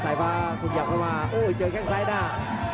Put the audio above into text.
สายฟ้าคุกหยับเข้ามาโอ้โหเจอข้างซ้ายหน้า